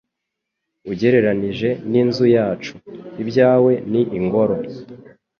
Ugereranije n'inzu yacu, ibyawe ni ingoro.